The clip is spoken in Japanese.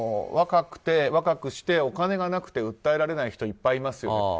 若くしてお金がなくて訴えられない人いっぱいいますよね。